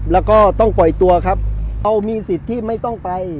แล้วก็ต้องปล่อยตัวครับเอามีสิทธิ์ที่ไม่ต้องไป